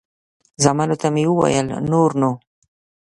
زامنو ته مې وویل نور نو.